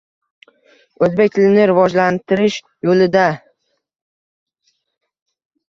O‘zbek tilini rivojlantirish yo‘lidang